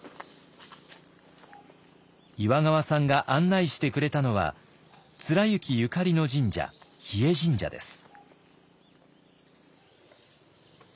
岩川さんが案内してくれたのは貫之ゆかりの神社日吉神社です。